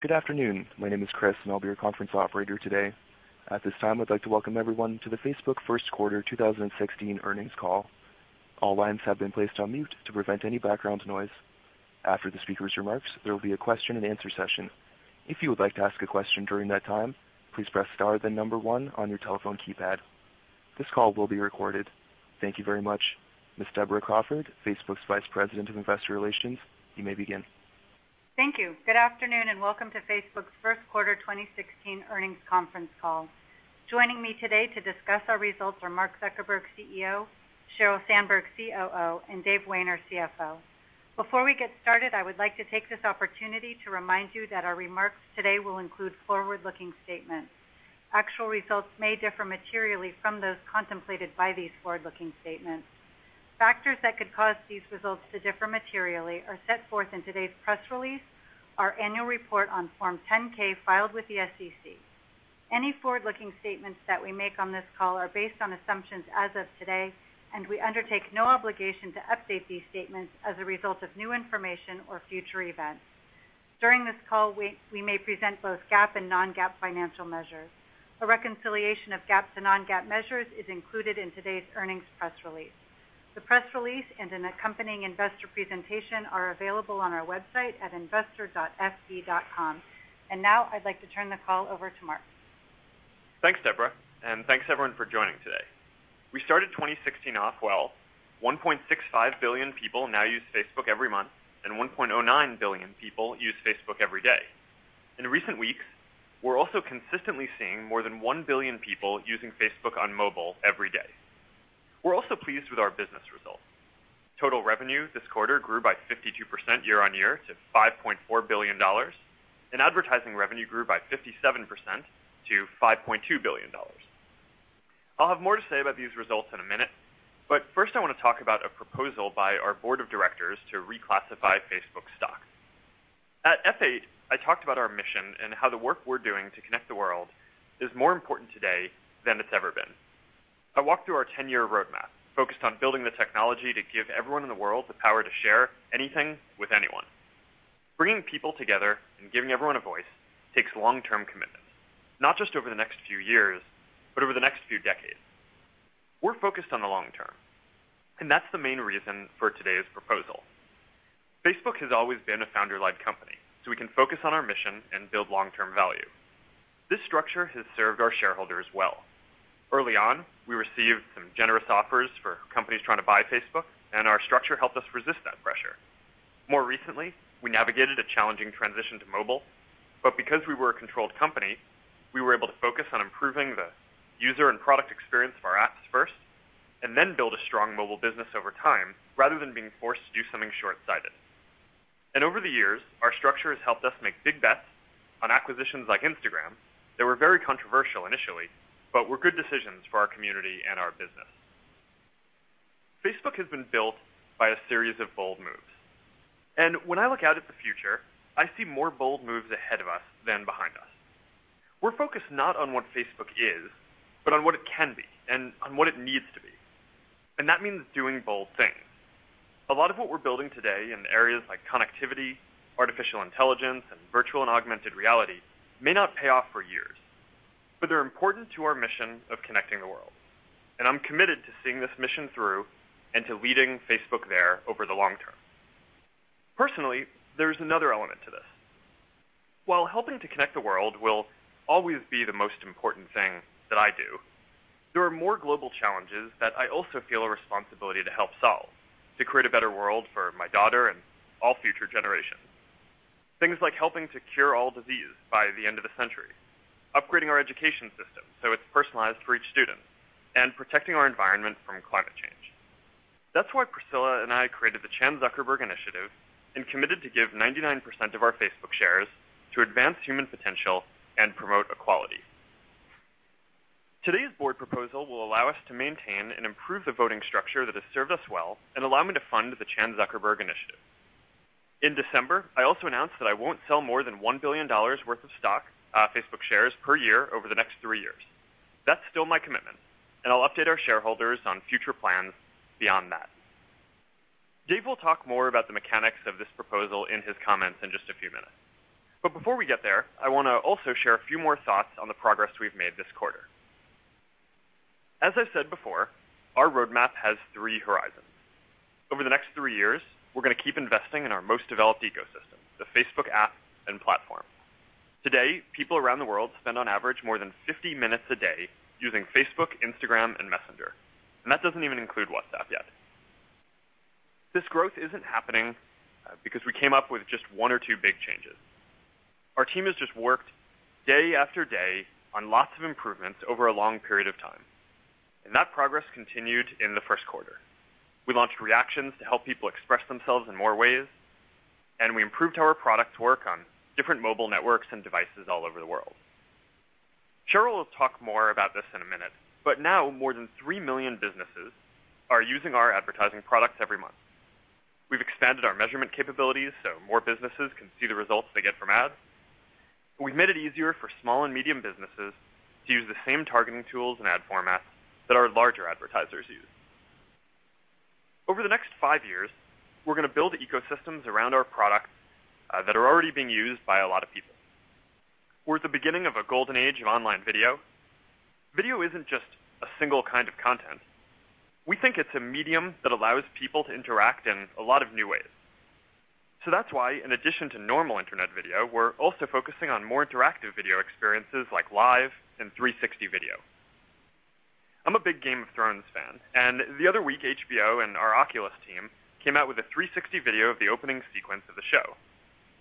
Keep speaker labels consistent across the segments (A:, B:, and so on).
A: Good afternoon. My name is Chris, and I'll be your conference operator today. At this time, I'd like to welcome everyone to the Facebook first quarter 2016 earnings call. All lines have been placed on mute to prevent any background noise. After the speaker's remarks, there will be a question and answer session. If you would like to ask a question during that time, please press star, then one on your telephone keypad. This call will be recorded. Thank you very much. Ms. Deborah Crawford, Facebook's Vice President of Investor Relations, you may begin.
B: Thank you. Good afternoon. Welcome to Facebook's first quarter 2016 earnings conference call. Joining me today to discuss our results are Mark Zuckerberg, CEO, Sheryl Sandberg, COO, and Dave Wehner, CFO. Before we get started, I would like to take this opportunity to remind you that our remarks today will include forward-looking statements. Actual results may differ materially from those contemplated by these forward-looking statements. Factors that could cause these results to differ materially are set forth in today's press release, our annual report on Form 10-K filed with the SEC. Any forward-looking statements that we make on this call are based on assumptions as of today, and we undertake no obligation to update these statements as a result of new information or future events. During this call, we may present both GAAP and non-GAAP financial measures. A reconciliation of GAAP to non-GAAP measures is included in today's earnings press release. The press release and an accompanying investor presentation are available on our website at investor.fb.com. Now I'd like to turn the call over to Mark.
C: Thanks, Deborah, and thanks everyone for joining today. We started 2016 off well. 1.65 billion people now use Facebook every month, and 1.09 billion people use Facebook every day. In recent weeks, we're also consistently seeing more than 1 billion people using Facebook on mobile every day. We're also pleased with our business results. Total revenue this quarter grew by 52% year-on-year to $5.4 billion, and advertising revenue grew by 57% to $5.2 billion. I'll have more to say about these results in a minute, but first I wanna talk about a proposal by our board of directors to reclassify Facebook stock. At F8, I talked about our mission and how the work we're doing to connect the world is more important today than it's ever been. I walked through our 10-year roadmap focused on building the technology to give everyone in the world the power to share anything with anyone. Bringing people together and giving everyone a voice takes long-term commitment, not just over the next few years, but over the next few decades. We're focused on the long term, and that's the main reason for today's proposal. Facebook has always been a founder-led company, so we can focus on our mission and build long-term value. This structure has served our shareholders well. Early on, we received some generous offers for companies trying to buy Facebook, and our structure helped us resist that pressure. More recently, we navigated a challenging transition to mobile, but because we were a controlled company, we were able to focus on improving the user and product experience of our apps first and then build a strong mobile business over time rather than being forced to do something shortsighted. Over the years, our structure has helped us make big bets on acquisitions like Instagram that were very controversial initially, but were good decisions for our community and our business. Facebook has been built by a series of bold moves, and when I look out at the future, I see more bold moves ahead of us than behind us. We're focused not on what Facebook is, but on what it can be and on what it needs to be. That means doing bold things. A lot of what we're building today in areas like connectivity, artificial intelligence, and virtual and augmented reality may not pay off for years, but they're important to our mission of connecting the world. I'm committed to seeing this mission through and to leading Facebook there over the long term. Personally, there's another element to this. While helping to connect the world will always be the most important thing that I do, there are more global challenges that I also feel a responsibility to help solve to create a better world for my daughter and all future generations. Things like helping to cure all disease by the end of the century, upgrading our education system so it's personalized for each student, and protecting our environment from climate change. That's why Priscilla and I created the Chan Zuckerberg Initiative and committed to give 99% of our Facebook shares to advance human potential and promote equality. Today's board proposal will allow us to maintain and improve the voting structure that has served us well and allow me to fund the Chan Zuckerberg Initiative. In December, I also announced that I won't sell more than $1 billion worth of stock, Facebook shares per year over the next three years. That's still my commitment, and I'll update our shareholders on future plans beyond that. Dave will talk more about the mechanics of this proposal in his comments in just a few minutes. Before we get there, I wanna also share a few more thoughts on the progress we've made this quarter. As I've said before, our roadmap has three horizons. Over the next three years, we're gonna keep investing in our most developed ecosystem, the Facebook app and platform. Today, people around the world spend on average more than 50 minutes a day using Facebook, Instagram, and Messenger, that doesn't even include WhatsApp yet. This growth isn't happening because we came up with just one or two big changes. Our team has just worked day after day on lots of improvements over a long period of time, that progress continued in the first quarter. We launched Reactions to help people express themselves in more ways, we improved our product to work on different mobile networks and devices all over the world. Sheryl will talk more about this in a minute, now more than 3 million businesses are using our advertising products every month. We've expanded our measurement capabilities so more businesses can see the results they get from ads. We've made it easier for small and medium businesses to use the same targeting tools and ad formats that our larger advertisers use. Over the next five years, we're gonna build ecosystems around our products that are already being used by a lot of people. We're at the beginning of a golden age of online video. Video isn't just a single kind of content. We think it's a medium that allows people to interact in a lot of new ways. That's why, in addition to normal internet video, we're also focusing on more interactive video experiences like Live and 360 video. I'm a big Game of Thrones fan, the other week, HBO and our Oculus team came out with a 360 video of the opening sequence of the show.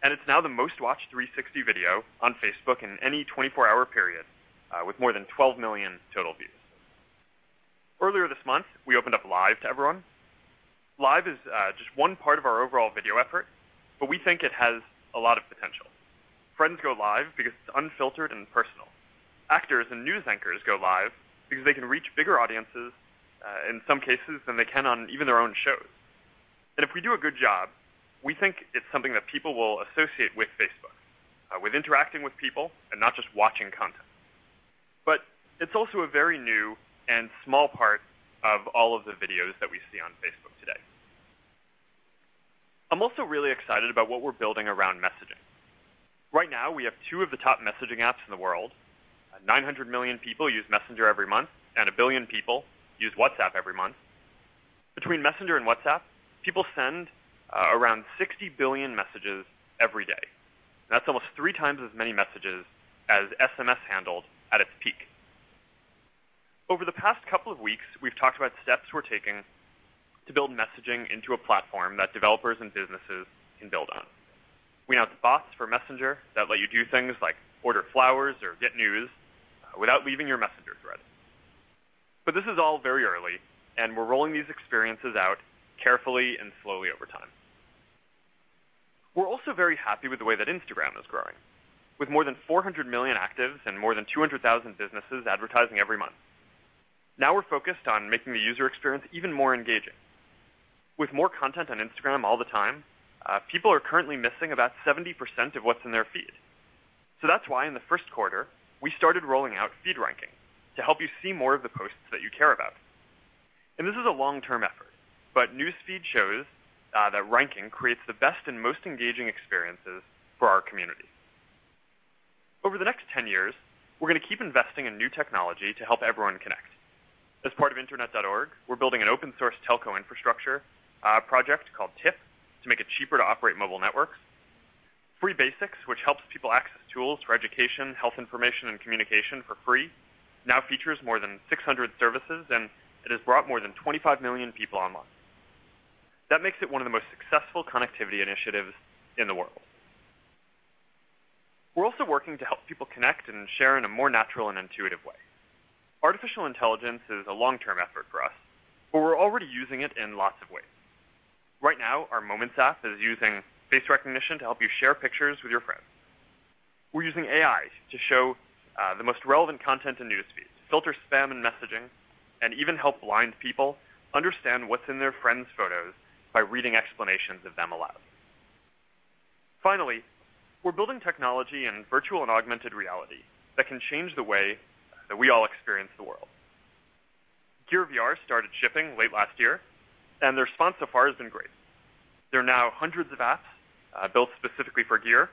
C: It's now the most watched 360 video on Facebook in any 24-hour period, with more than 12 million total views. Earlier this month, we opened up Live to everyone. Live is just one part of our overall video effort, but we think it has a lot of potential. Friends go live because it's unfiltered and personal. Actors and news anchors go live because they can reach bigger audiences in some cases than they can on even their own shows. If we do a good job, we think it's something that people will associate with Facebook, with interacting with people and not just watching content. It's also a very new and small part of all of the videos that we see on Facebook today. I'm also really excited about what we're building around messaging. Right now, we have two of the top messaging apps in the world. 900 million people use Messenger every month, and 1 billion people use WhatsApp every month. Between Messenger and WhatsApp, people send around 60 billion messages every day. That's almost 3x as many messages as SMS handled at its peak. Over the past couple of weeks, we've talked about steps we're taking to build messaging into a platform that developers and businesses can build on. We now have bots for Messenger that let you do things like order flowers or get news without leaving your Messenger thread. This is all very early, and we're rolling these experiences out carefully and slowly over time. We're also very happy with the way that Instagram is growing. With more than 400 million actives and more than 200,000 businesses advertising every month. Now we're focused on making the user experience even more engaging. With more content on Instagram all the time, people are currently missing about 70% of what's in their feed. That's why in the first quarter, we started rolling out feed ranking to help you see more of the posts that you care about. This is a long-term effort, but News Feed shows that ranking creates the best and most engaging experiences for our community. Over the next 10 years, we're gonna keep investing in new technology to help everyone connect. As part of Internet.org, we're building an open source telco infrastructure project called TIP to make it cheaper to operate mobile networks. Free Basics, which helps people access tools for education, health information, and communication for free, now features more than 600 services, and it has brought more than 25 million people online. That makes it one of the most successful connectivity initiatives in the world. We're also working to help people connect and share in a more natural and intuitive way. Artificial intelligence is a long-term effort for us, but we're already using it in lots of ways. Right now, our Moments app is using face recognition to help you share pictures with your friends. We're using AI to show the most relevant content in News Feed, filter spam in messaging, and even help blind people understand what's in their friends' photos by reading explanations of them aloud. Finally, we're building technology in virtual and augmented reality that can change the way that we all experience the world. Gear VR started shipping late last year, and the response so far has been great. There are now hundreds of apps built specifically for Gear,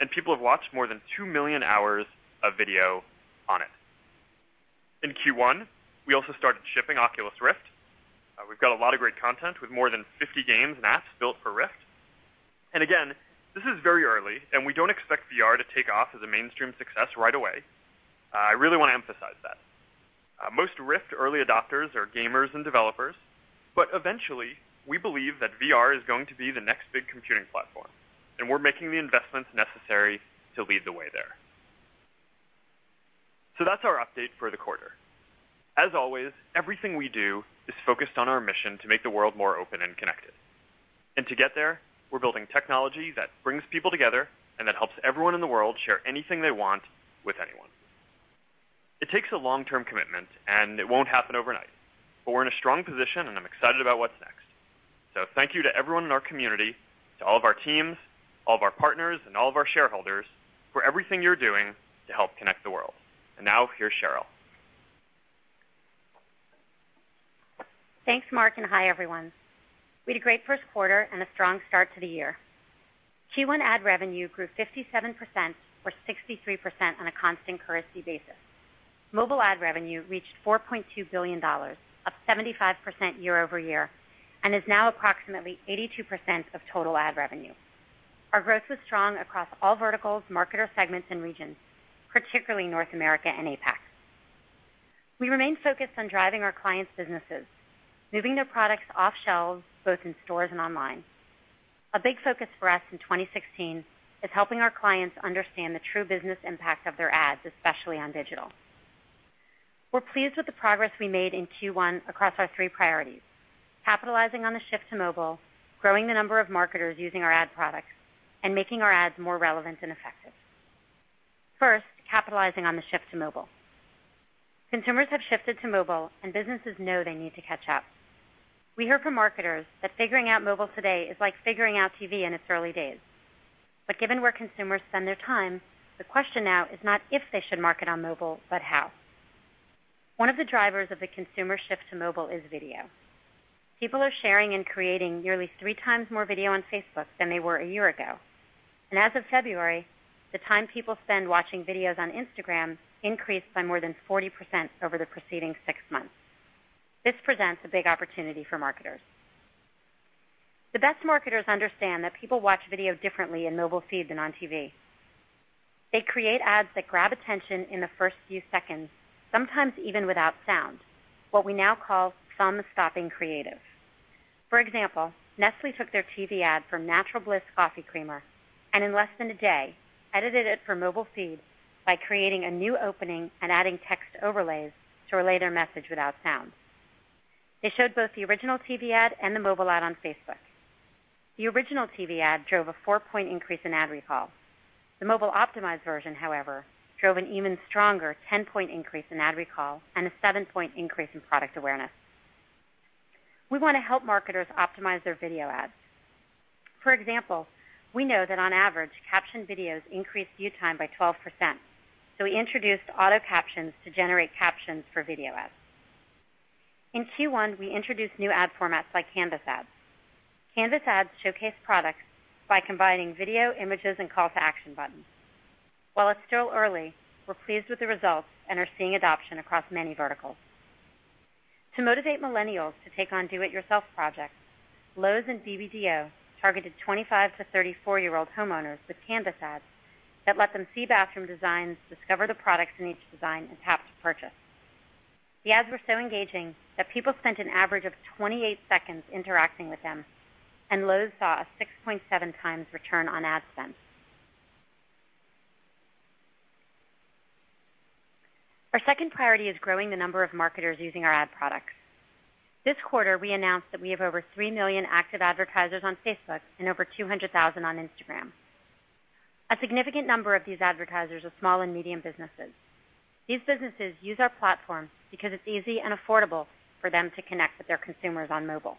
C: and people have watched more than 2 million hours of video on it. In Q1, we also started shipping Oculus Rift. We've got a lot of great content with more than 50 games and apps built for Rift. Again, this is very early, and we don't expect VR to take off as a mainstream success right away. I really wanna emphasize that. Most Rift early adopters are gamers and developers, but eventually, we believe that VR is going to be the next big computing platform, and we're making the investments necessary to lead the way there. That's our update for the quarter. As always, everything we do is focused on our mission to make the world more open and connected. To get there, we're building technology that brings people together and that helps everyone in the world share anything they want with anyone. It takes a long-term commitment, and it won't happen overnight, but we're in a strong position, and I'm excited about what's next. Thank you to everyone in our community, to all of our teams, all of our partners, and all of our shareholders for everything you're doing to help connect the world. Now, here's Sheryl.
D: Thanks, Mark. Hi, everyone. We had a great first quarter and a strong start to the year. Q1 ad revenue grew 57% or 63% on a constant currency basis. Mobile ad revenue reached $4.2 billion, up 75% year-over-year, and is now approximately 82% of total ad revenue. Our growth was strong across all verticals, marketer segments, and regions, particularly North America and APAC. We remain focused on driving our clients' businesses, moving their products off shelves, both in stores and online. A big focus for us in 2016 is helping our clients understand the true business impact of their ads, especially on digital. We're pleased with the progress we made in Q1 across our three priorities: capitalizing on the shift to mobile, growing the number of marketers using our ad products, and making our ads more relevant and effective. First, capitalizing on the shift to mobile. Consumers have shifted to mobile, businesses know they need to catch up. We heard from marketers that figuring out mobile today is like figuring out TV in its early days. Given where consumers spend their time, the question now is not if they should market on mobile, but how. One of the drivers of the consumer shift to mobile is video. People are sharing and creating nearly 3x more video on Facebook than they were a year ago. As of February, the time people spend watching videos on Instagram increased by more than 40% over the preceding six months. This presents a big opportunity for marketers. The best marketers understand that people watch video differently in mobile feed than on TV. They create ads that grab attention in the first few seconds, sometimes even without sound, what we now call thumb-stopping creative. For example, Nestlé took their TV ad for Natural Bliss coffee creamer, and in less than a day, edited it for mobile feed by creating a new opening and adding text overlays to relay their message without sound. They showed both the original TV ad and the mobile ad on Facebook. The original TV ad drove a four point increase in ad recall. The mobile-optimized version, however, drove an even stronger 10-point increase in ad recall and a seven point increase in product awareness. We wanna help marketers optimize their video ads. For example, we know that on average, captioned videos increase view time by 12%, so we introduced auto captions to generate captions for video ads. In Q1, we introduced new ad formats like Canvas ads. Canvas ads showcase products by combining video, images, and call to action buttons. While it's still early, we're pleased with the results and are seeing adoption across many verticals. To motivate millennials to take on do-it-yourself projects, Lowe's and BBDO targeted 25 year-34year old homeowners with Canvas ads that let them see bathroom designs, discover the products in each design, and tap to purchase. The ads were so engaging that people spent an average of 28 seconds interacting with them, and Lowe's saw a 6.7 times return on ad spend. Our second priority is growing the number of marketers using our ad products. This quarter, we announced that we have over 3 million active advertisers on Facebook and over 200,000 on Instagram. A significant number of these advertisers are small and medium businesses. These businesses use our platform because it's easy and affordable for them to connect with their consumers on mobile.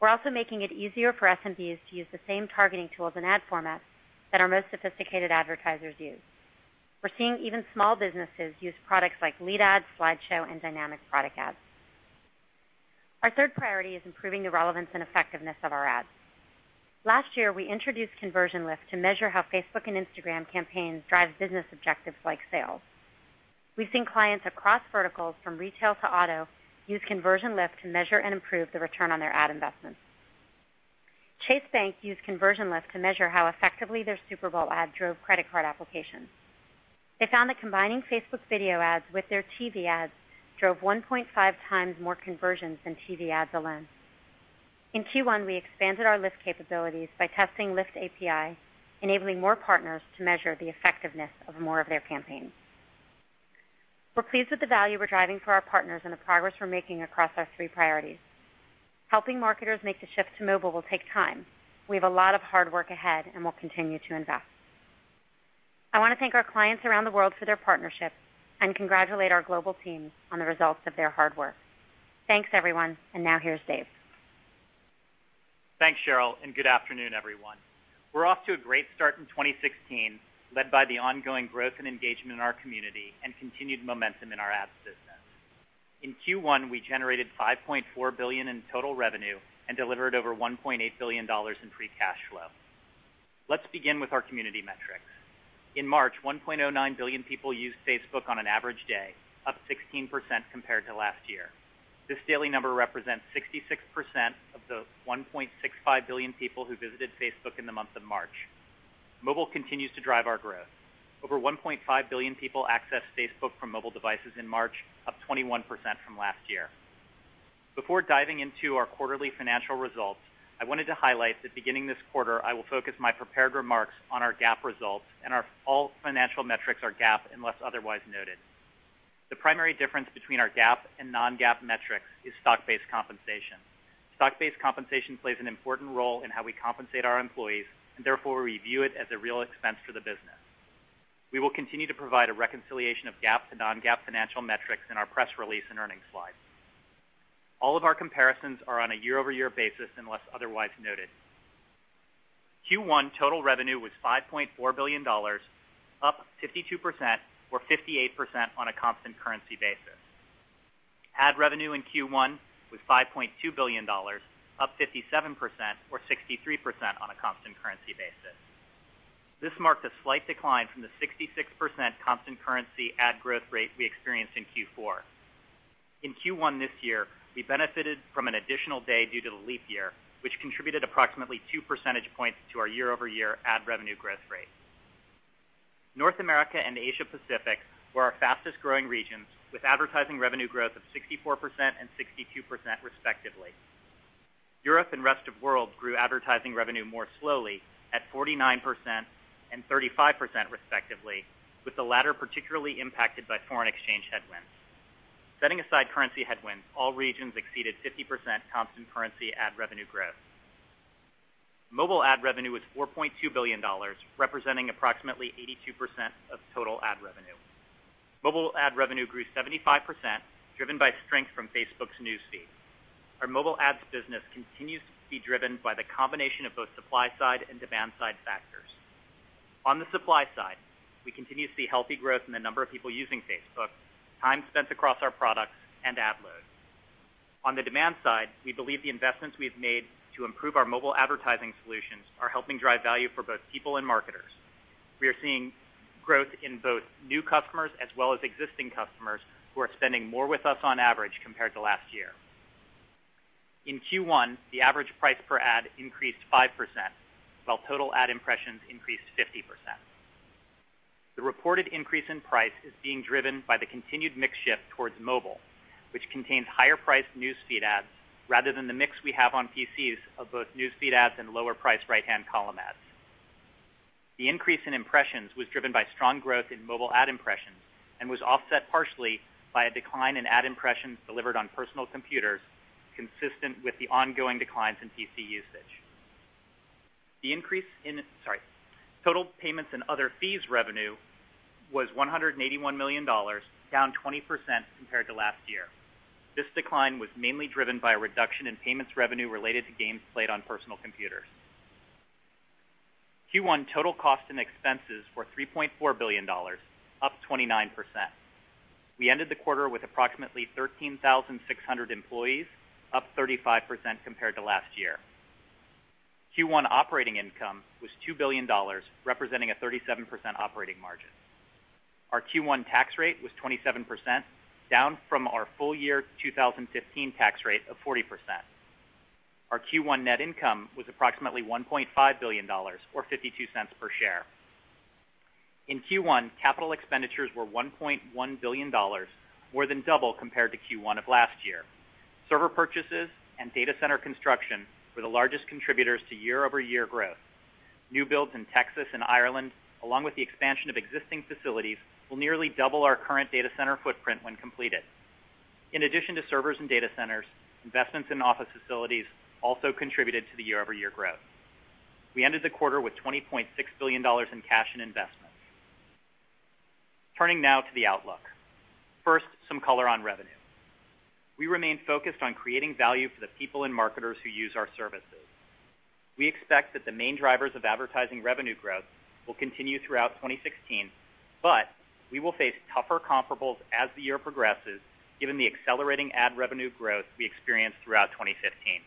D: We're also making it easier for SMBs to use the same targeting tools and ad formats that our most sophisticated advertisers use. We're seeing even small businesses use products like Lead Ads, slideshow, and Dynamic Product Ads. Our third priority is improving the relevance and effectiveness of our ads. Last year, we introduced Conversion Lift to measure how Facebook and Instagram campaigns drive business objectives like sales. We've seen clients across verticals from retail to auto use Conversion Lift to measure and improve the return on their ad investments. Chase Bank used Conversion Lift to measure how effectively their Super Bowl ad drove credit card applications. They found that combining Facebook video ads with their TV ads drove 1.5x more conversions than TV ads alone. In Q1, we expanded our Lift capabilities by testing Lift API, enabling more partners to measure the effectiveness of more of their campaigns. We're pleased with the value we're driving for our partners and the progress we're making across our three priorities. Helping marketers make the shift to mobile will take time. We have a lot of hard work ahead, and we'll continue to invest. I wanna thank our clients around the world for their partnership and congratulate our global team on the results of their hard work. Thanks, everyone. Now here's Dave.
E: Thanks, Sheryl, and good afternoon, everyone. We're off to a great start in 2016, led by the ongoing growth and engagement in our community and continued momentum in our ad business. In Q1, we generated $5.4 billion in total revenue and delivered over $1.8 billion in free cash flow. Let's begin with our community metrics. In March, 1.09 billion people used Facebook on an average day, up 16% compared to last year. This daily number represents 66% of the 1.65 billion people who visited Facebook in the month of March. Mobile continues to drive our growth. Over 1.5 billion people accessed Facebook from mobile devices in March, up 21% from last year. Before diving into our quarterly financial results, I wanted to highlight that beginning this quarter, I will focus my prepared remarks on our GAAP results and all financial metrics are GAAP unless otherwise noted. The primary difference between our GAAP and non-GAAP metrics is stock-based compensation. Stock-based compensation plays an important role in how we compensate our employees, therefore we view it as a real expense for the business. We will continue to provide a reconciliation of GAAP to non-GAAP financial metrics in our press release and earnings slides. All of our comparisons are on a year-over-year basis unless otherwise noted. Q1 total revenue was $5.4 billion, up 52% or 58% on a constant currency basis. Ad revenue in Q1 was $5.2 billion, up 57% or 63% on a constant currency basis. This marked a slight decline from the 66% constant currency ad growth rate we experienced in Q4. In Q1 this year, we benefited from an additional day due to the leap year, which contributed approximately 2 percentage points to our year-over-year ad revenue growth rate. North America and Asia Pacific were our fastest-growing regions, with advertising revenue growth of 64% and 62% respectively. Europe and Rest of World grew advertising revenue more slowly at 49% and 35% respectively, with the latter particularly impacted by foreign exchange headwinds. Setting aside currency headwinds, all regions exceeded 50% constant currency ad revenue growth. Mobile ad revenue was $4.2 billion, representing approximately 82% of total ad revenue. Mobile ad revenue grew 75%, driven by strength from Facebook's News Feed. Our mobile ads business continues to be driven by the combination of both supply side and demand side factors. On the supply side, we continue to see healthy growth in the number of people using Facebook, time spent across our products, and ad load. On the demand side, we believe the investments we have made to improve our mobile advertising solutions are helping drive value for both people and marketers. We are seeing growth in both new customers as well as existing customers who are spending more with us on average compared to last year. In Q1, the average price per ad increased 5%, while total ad impressions increased 50%. The reported increase in price is being driven by the continued mix shift towards mobile, which contains higher-priced News Feed ads rather than the mix we have on PCs of both News Feed ads and lower-priced right-hand column ads. The increase in impressions was driven by strong growth in mobile ad impressions and was offset partially by a decline in ad impressions delivered on personal computers, consistent with the ongoing declines in PC usage. The increase in total payments and other fees revenue was $181 million, down 20% compared to last year. This decline was mainly driven by a reduction in payments revenue related to games played on personal computers. Q1 total cost and expenses were $3.4 billion, up 29%. We ended the quarter with approximately 13,600 employees, up 35% compared to last year. Q1 operating income was $2 billion, representing a 37% operating margin. Our Q1 tax rate was 27%, down from our full year 2015 tax rate of 40%. Our Q1 net income was approximately $1.5 billion or $0.52 per share. In Q1, capital expenditures were $1.1 billion, more than double compared to Q1 of last year. Server purchases and data center construction were the largest contributors to year-over-year growth. New builds in Texas and Ireland, along with the expansion of existing facilities, will nearly double our current data center footprint when completed. In addition to servers and data centers, investments in office facilities also contributed to the year-over-year growth. We ended the quarter with $20.6 billion in cash and investments. Turning now to the outlook. First, some color on revenue. We remain focused on creating value for the people and marketers who use our services. We expect that the main drivers of advertising revenue growth will continue throughout 2016. We will face tougher comparables as the year progresses, given the accelerating ad revenue growth we experienced throughout 2015.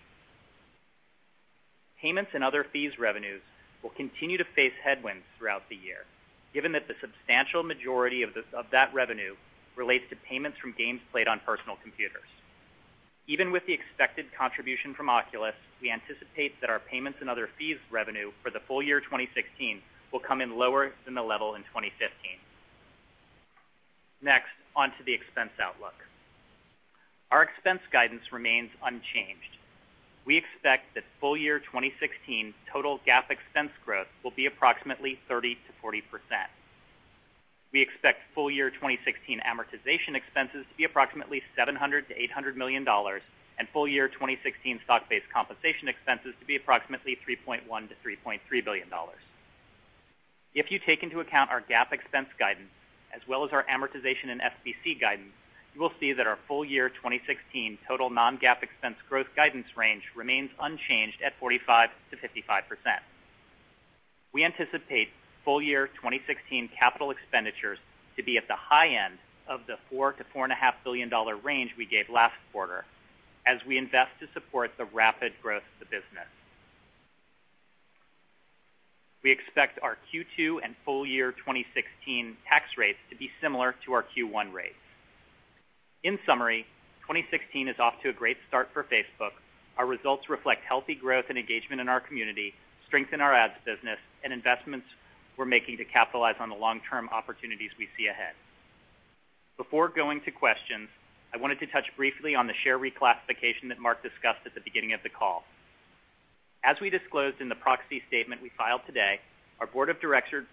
E: Payments and other fees revenues will continue to face headwinds throughout the year, given that the substantial majority of that revenue relates to payments from games played on personal computers. Even with the expected contribution from Oculus, we anticipate that our payments and other fees revenue for the full year 2016 will come in lower than the level in 2015. Next, on to the expense outlook. Our expense guidance remains unchanged. We expect that full year 2016 total GAAP expense growth will be approximately 30%-40%. We expect full year 2016 amortization expenses to be approximately $700 million-$800 million and full year 2016 stock-based compensation expenses to be approximately $3.1 billion-$3.3 billion. If you take into account our GAAP expense guidance as well as our amortization and SBC guidance, you will see that our full year 2016 total non-GAAP expense growth guidance range remains unchanged at 45%-55%. We anticipate full year 2016 capital expenditures to be at the high end of the $4 billion-$4.5 billion range we gave last quarter as we invest to support the rapid growth of the business. We expect our Q2 and full year 2016 tax rates to be similar to our Q1 rates. In summary, 2016 is off to a great start for Facebook. Our results reflect healthy growth and engagement in our community, strength in our ads business, and investments we're making to capitalize on the long-term opportunities we see ahead. Before going to questions, I wanted to touch briefly on the share reclassification that Mark discussed at the beginning of the call. As we disclosed in the proxy statement we filed today, our board of directors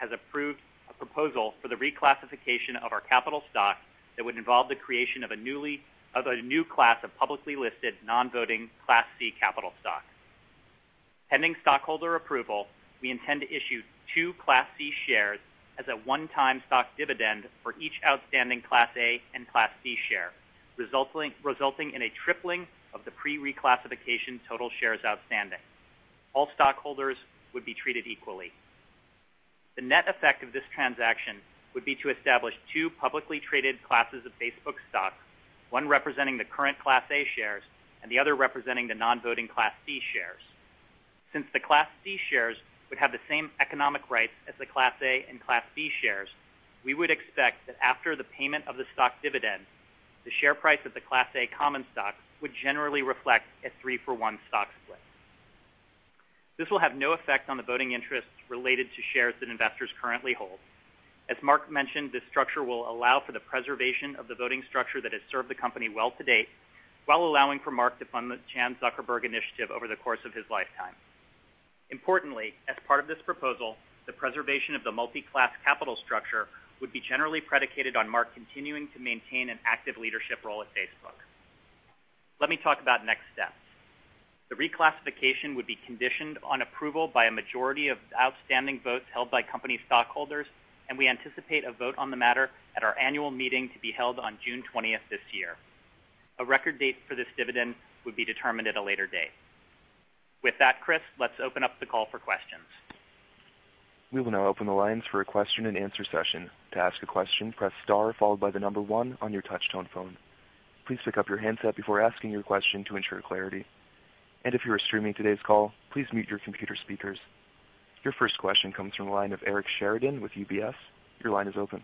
E: has approved a proposal for the reclassification of our capital stock that would involve the creation of a new class of publicly listed non-voting Class C capital stock. Pending stockholder approval, we intend to issue two Class C shares as a one-time stock dividend for each outstanding Class A and Class C share, resulting in a tripling of the pre-reclassification total shares outstanding. All stockholders would be treated equally. The net effect of this transaction would be to establish two publicly traded classes of Facebook stock, one representing the current Class A shares and the other representing the non-voting Class C shares. Since the Class C shares would have the same economic rights as the Class A and Class B shares, we would expect that after the payment of the stock dividend, the share price of the Class A common stock would generally reflect a three for one stock split. This will have no effect on the voting interests related to shares that investors currently hold. As Mark mentioned, this structure will allow for the preservation of the voting structure that has served the company well to date, while allowing for Mark to fund the Chan Zuckerberg Initiative over the course of his lifetime. Importantly, as part of this proposal, the preservation of the multi-class capital structure would be generally predicated on Mark continuing to maintain an active leadership role at Facebook. Let me talk about next steps. The reclassification would be conditioned on approval by a majority of outstanding votes held by company stockholders, and we anticipate a vote on the matter at our annual meeting to be held on June 20th, 2016. A record date for this dividend would be determined at a later date. With that, Chris, let's open up the call for questions.
A: We will now open the lines for a question-and-answer session. To ask a question, press star followed by the number one on your touchtone phone. Please pick up your handset before asking your question to ensure clarity. If you are streaming today's call, please mute your computer speakers. Your first question comes from the line of Eric Sheridan with UBS. Your line is open.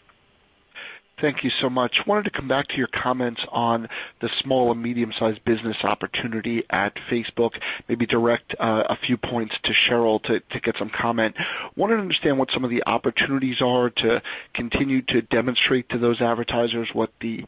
F: Thank you so much. Wanted to come back to your comments on the small and medium-sized business opportunity at Facebook, maybe direct a few points to Sheryl to get some comment. Wanted to understand what some of the opportunities are to continue to demonstrate to those advertisers what the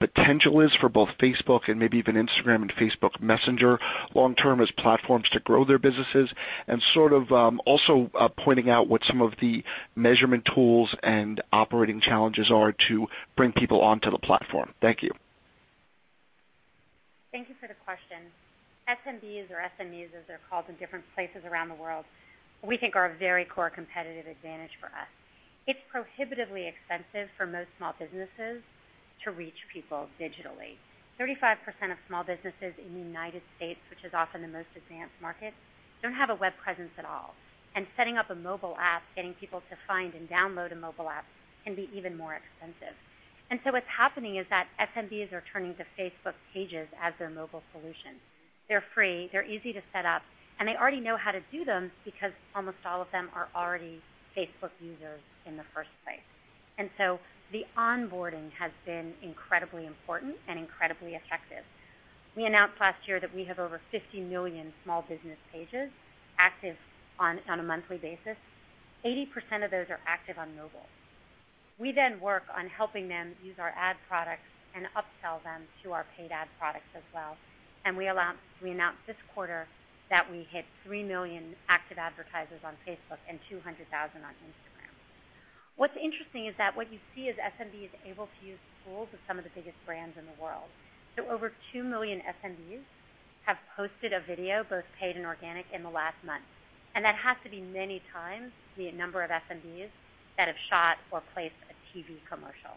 F: potential is for both Facebook and maybe even Instagram and Facebook Messenger long term as platforms to grow their businesses and sort of, also pointing out what some of the measurement tools and operating challenges are to bring people onto the platform. Thank you.
D: Thank you for the question. SMBs or SMEs, as they're called in different places around the world, we think are a very core competitive advantage for us. It's prohibitively expensive for most small businesses to reach people digitally. 35% of small businesses in the U.S., which is often the most advanced market, don't have a web presence at all. Setting up a mobile app, getting people to find and download a mobile app can be even more expensive. What's happening is that SMBs are turning to Facebook Pages as their mobile solution. They're free, they're easy to set up, and they already know how to do them because almost all of them are already Facebook users in the first place. The onboarding has been incredibly important and incredibly effective. We announced last year that we have over 50 million small business Pages active on a monthly basis. 80% of those are active on mobile. We work on helping them use our ad products and upsell them to our paid ad products as well. We announced this quarter that we hit 3 million active advertisers on Facebook and 200,000 on Instagram. What's interesting is that what you see is SMBs able to use tools of some of the biggest brands in the world. Over 2 million SMBs have posted a video, both paid and organic, in the last month. That has to be many times the number of SMBs that have shot or placed a TV commercial.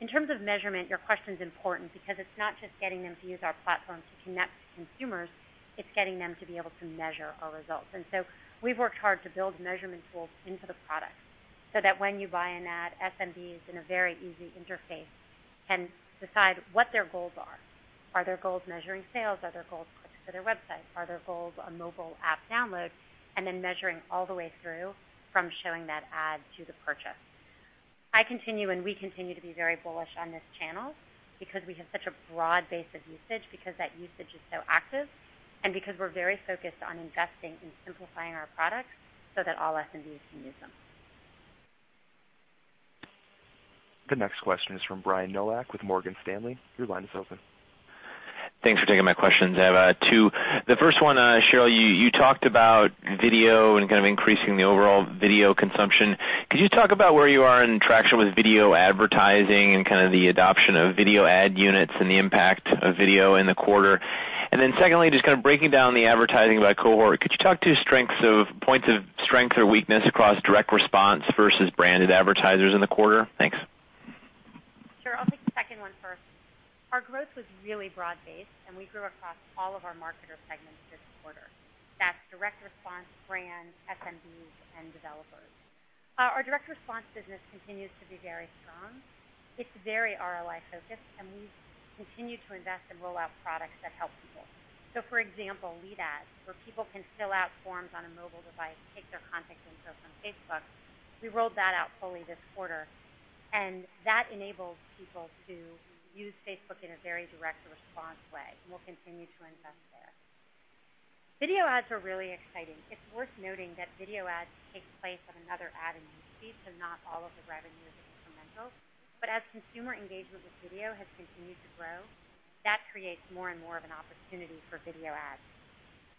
D: In terms of measurement, your question's important because it's not just getting them to use our platform to connect to consumers, it's getting them to be able to measure our results. We've worked hard to build measurement tools into the product so that when you buy an ad, SMBs, in a very easy interface, can decide what their goals are. Are their goals measuring sales? Are their goals clicks to their website? Are their goals a mobile app download? Measuring all the way through from showing that ad to the purchase. I continue, and we continue to be very bullish on this channel because we have such a broad base of usage, because that usage is so active, and because we're very focused on investing in simplifying our products so that all SMBs can use them.
A: The next question is from Brian Nowak with Morgan Stanley. Your line is open.
G: Thanks for taking my questions. I have two. The first one, Sheryl, you talked about video and kind of increasing the overall video consumption. Could you talk about where you are in traction with video advertising and kind of the adoption of video ad units and the impact of video in the quarter? Secondly, just kind of breaking down the advertising by cohort. Could you talk to points of strength or weakness across direct response versus branded advertisers in the quarter? Thanks.
D: Sure. I'll take the second one first. Our growth was really broad-based. We grew across all of our marketer segments this quarter. That's direct response, brand, SMBs, and developers. Our direct response business continues to be very strong. It's very ROI-focused, and we continue to invest and roll out products that help people. For example, lead ads, where people can fill out forms on a mobile device, take their contact info from Facebook. We rolled that out fully this quarter, and that enables people to use Facebook in a very direct response way, and we'll continue to invest there. Video ads are really exciting. It's worth noting that video ads take place on another ad in News Feed, so not all of the revenue is incremental. As consumer engagement with video has continued to grow, that creates more and more of an opportunity for video ads.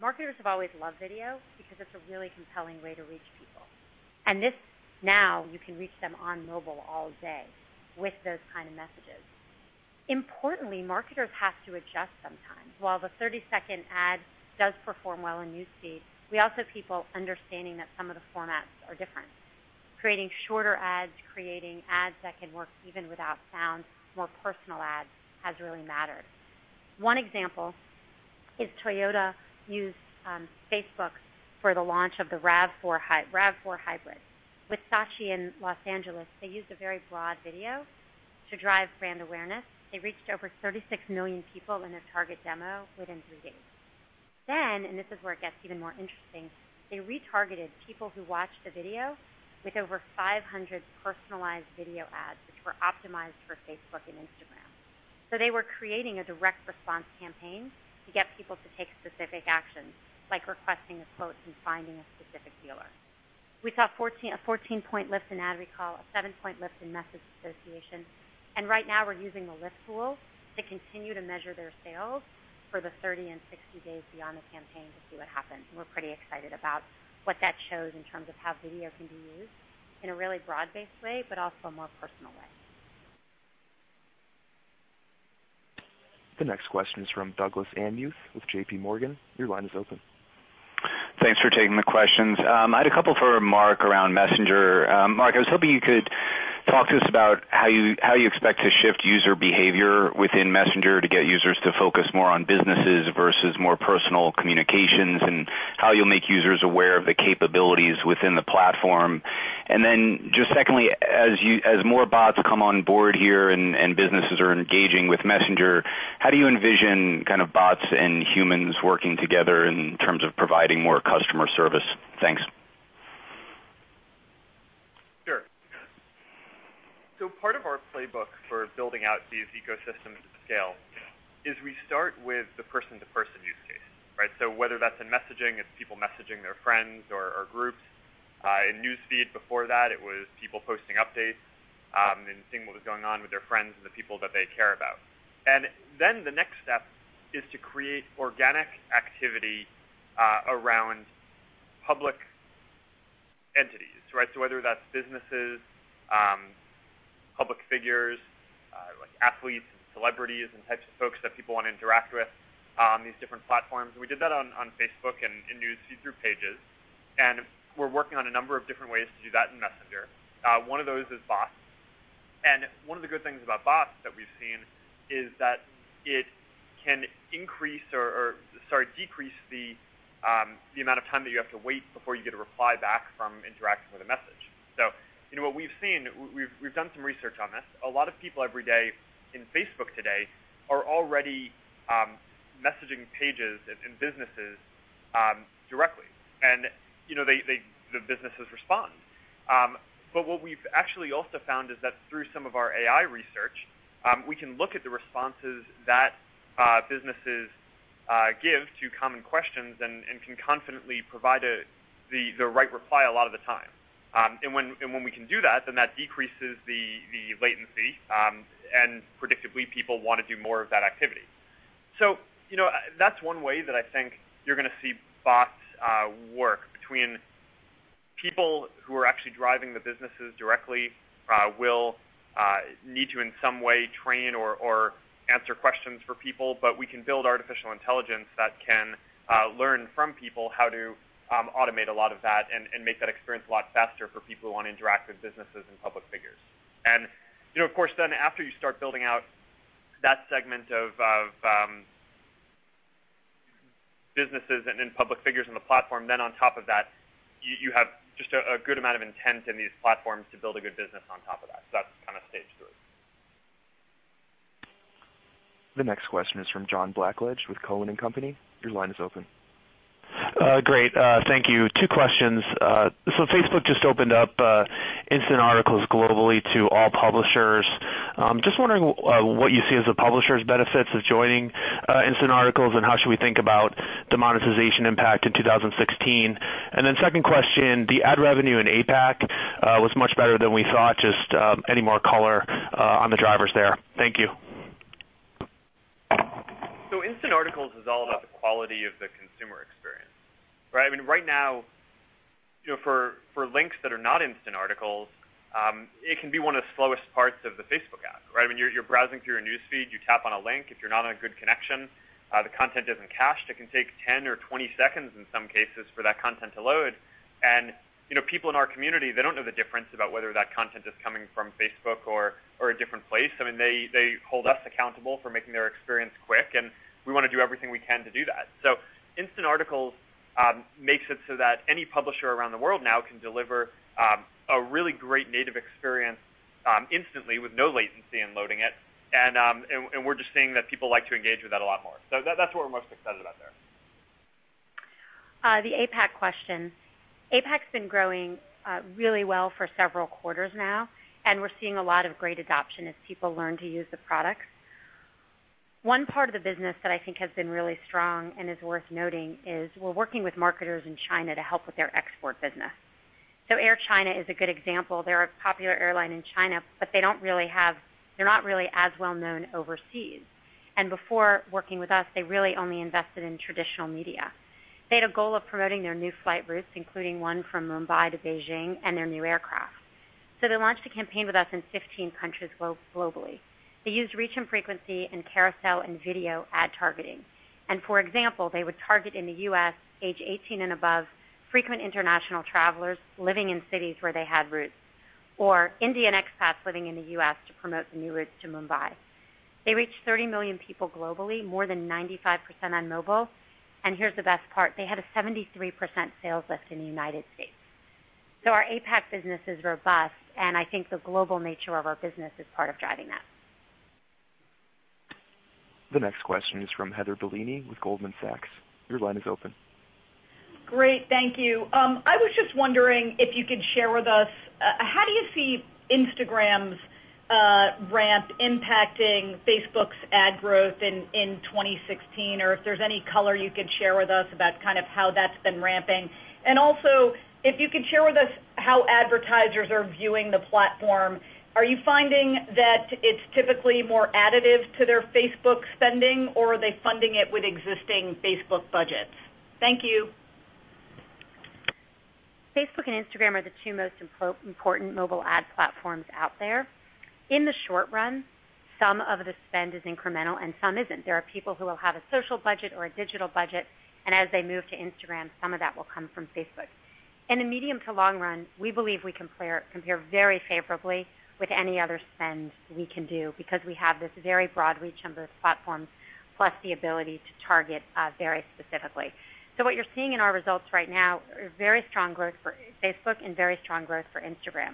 D: Marketers have always loved video because it's a really compelling way to reach people. This, now you can reach them on mobile all day with those kind of messages. Importantly, marketers have to adjust sometimes. While the 30-second ad does perform well in News Feed, we also have people understanding that some of the formats are different. Creating shorter ads, creating ads that can work even without sound, more personal ads has really mattered. One example is Toyota used Facebook for the launch of the RAV4 Hybrid. With Saatchi in Los Angeles, they used a very broad video to drive brand awareness. They reached over 36 million people in their target demo within three days. This is where it gets even more interesting, they retargeted people who watched the video with over 500 personalized video ads, which were optimized for Facebook and Instagram. They were creating a direct response campaign to get people to take specific actions, like requesting a quote and finding a specific dealer. We saw a 14-point lift in ad recall, a seven point lift in message association. Right now we're using the Lift tool to continue to measure their sales for the 30 days and 60 days beyond the campaign to see what happens. We're pretty excited about what that shows in terms of how video can be used in a really broad-based way but also a more personal way.
A: The next question is from Douglas Anmuth with JPMorgan. Your line is open.
H: Thanks for taking the questions. I had a couple for Mark around Messenger. Mark, I was hoping you could talk to us about how you expect to shift user behavior within Messenger to get users to focus more on businesses versus more personal communications, and how you'll make users aware of the capabilities within the platform. Just secondly, as more bots come on board here and businesses are engaging with Messenger, how do you envision kind of bots and humans working together in terms of providing more customer service? Thanks.
C: Sure. Part of our playbook for building out these ecosystems at scale is we start with the person-to-person use case, right? Whether that's in messaging, it's people messaging their friends or groups. In News Feed before that, it was people posting updates and seeing what was going on with their friends and the people that they care about. Then the next step is to create organic activity around public entities, right? Whether that's businesses, public figures, like athletes and celebrities and types of folks that people wanna interact with on these different platforms. We did that on Facebook and in News Feed through Pages. We're working on a number of different ways to do that in Messenger. One of those is bots. One of the good things about bots that we've seen is that it can increase or sorry, decrease the amount of time that you have to wait before you get a reply back from interacting with a message. You know, what we've seen, we've done some research on this. A lot of people every day in Facebook today are already messaging pages and businesses directly. You know, they the businesses respond. What we've actually also found is that through some of our AI research, we can look at the responses that businesses give to common questions and can confidently provide the right reply a lot of the time. And when we can do that, then that decreases the latency, and predictably, people wanna do more of that activity. You know, that's one way that I think you're gonna see bots work between people who are actually driving the businesses directly, will need to in some way train or answer questions for people. We can build artificial intelligence that can learn from people how to automate a lot of that and make that experience a lot faster for people who wanna interact with businesses and public figures. You know, of course, then after you start building out that segment of businesses and then public figures on the platform, then on top of that, you have just a good amount of intent in these platforms to build a good business on top of that. That's kind of stage two.
A: The next question is from John Blackledge with Cowen and Company. Your line is open.
I: Great. Thank you. Two questions. Facebook just opened up Instant Articles globally to all publishers. Just wondering what you see as the publishers' benefits of joining Instant Articles, how should we think about the monetization impact in 2016. Second question, the ad revenue in APAC was much better than we thought. Just any more color on the drivers there. Thank you.
C: Instant Articles is all about the quality of the consumer experience, right? I mean, right now, you know, for links that are not Instant Articles, it can be one of the slowest parts of the Facebook app, right? When you're browsing through your News Feed, you tap on a link. If you're not on a good connection, the content isn't cached. It can take 10 seconds or 20 seconds in some cases for that content to load. You know, people in our community, they don't know the difference about whether that content is coming from Facebook or a different place. I mean, they hold us accountable for making their experience quick, and we wanna do everything we can to do that. Instant Articles makes it so that any publisher around the world now can deliver a really great native experience instantly with no latency in loading it. We're just seeing that people like to engage with that a lot more. That's what we're most excited about there.
D: The APAC question. APAC's been growing really well for several quarters now, and we're seeing a lot of great adoption as people learn to use the products. One part of the business that I think has been really strong and is worth noting is we're working with marketers in China to help with their export business. Air China is a good example. They're a popular airline in China, they're not really as well known overseas. Before working with us, they really only invested in traditional media. They had a goal of promoting their new flight routes, including one from Mumbai to Beijing and their new aircraft. They launched a campaign with us in 15 countries globally. They used reach and frequency and carousel and video ad targeting. For example, they would target in the U.S. age 18 and above frequent international travelers living in cities where they had routes, or Indian expats living in the U.S. to promote the new routes to Mumbai. They reached 30 million people globally, more than 95% on mobile. Here's the best part: They had a 73% sales lift in the United States. Our APAC business is robust, and I think the global nature of our business is part of driving that.
A: The next question is from Heather Bellini with Goldman Sachs. Your line is open.
J: Great. Thank you. I was just wondering if you could share with us, how do you see Instagram's ramp impacting Facebook's ad growth in 2016, or if there's any color you could share with us about kind of how that's been ramping? Also, if you could share with us how advertisers are viewing the platform. Are you finding that it's typically more additive to their Facebook spending, or are they funding it with existing Facebook budgets? Thank you.
D: Facebook and Instagram are the two most important mobile ad platforms out there. In the short run, some of the spend is incremental and some isn't. There are people who will have a social budget or a digital budget, and as they move to Instagram, some of that will come from Facebook. In the medium to long run, we believe we compare very favorably with any other spend we can do because we have this very broad reach on both platforms, plus the ability to target very specifically. What you're seeing in our results right now are very strong growth for Facebook and very strong growth for Instagram.